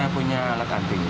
kita punya alat ganti